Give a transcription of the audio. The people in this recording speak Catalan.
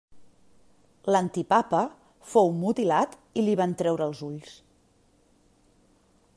L'antipapa fou mutilat i li van treure els ulls.